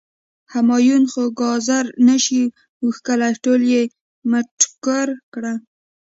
همایون خو ګازر نه شي وښکلی، ټول یی مټکور کړل.